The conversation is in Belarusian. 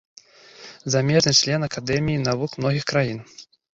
Замежны член акадэмій навук многіх краін.